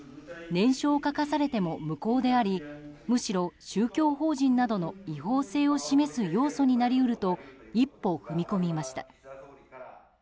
念書を書かされても無効でありむしろ宗教法人などの違法性を示す要素になり得ると一歩踏み込みました。